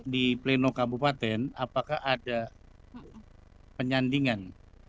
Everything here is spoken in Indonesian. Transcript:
di pleno kabupaten apakah ada penyandingan